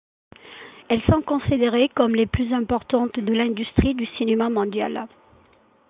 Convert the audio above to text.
Elles sont considérées comme les plus importantes de l'industrie du cinéma mondial.